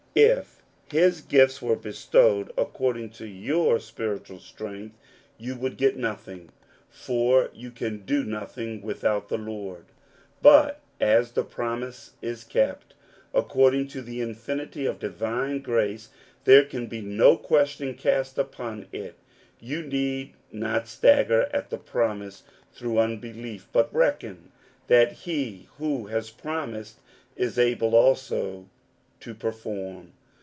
If his gifts were bestowed according to your spiritual strength, you would get nothing; for you can do nothing without the Lord. But as the promise is kept according to the infinity of divine grace, there can be no question cast upon it. You need not stas^ger at the promise through unbelief, but reckon that he who has promised is able also to perform.